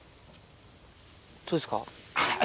どうですか？